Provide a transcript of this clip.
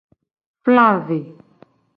Fla ve.